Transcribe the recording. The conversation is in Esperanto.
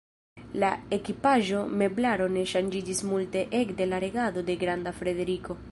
La ekipaĵo, meblaro ne ŝanĝiĝis multe ekde la regado de Granda Frederiko.